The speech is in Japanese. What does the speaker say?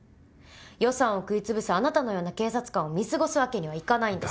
予算を食い潰すあなたのような警察官を見過ごすわけにはいかないんです。